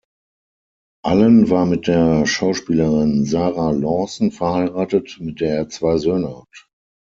Allen war mit der Schauspielerin Sarah Lawson verheiratet, mit der er zwei Söhne hat.